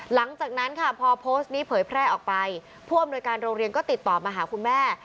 หลังจากนั้นค่ะพอโพสต์นี้เผยแพร่ออกไปผู้อำนวยการโรงเรียนก็ติดต่อมาหาคุณแม่